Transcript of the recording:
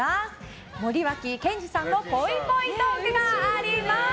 森脇健児さんのぽいぽいトークがあります。